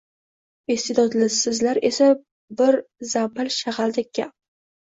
Iste’dodsizlar esa bir zambil shag’aldek gap.